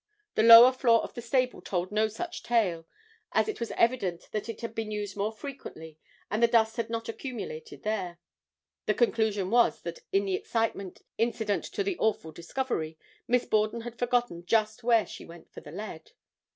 The lower floor of the stable told no such tale, as it was evident that it had been used more frequently and the dust had not accumulated there. The conclusion reached was that in the excitement incident to the awful discovery, Miss Borden had forgotten just where she went for the lead.